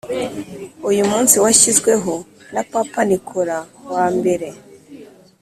uyu munsi washyizweho na papa nikola wa mbere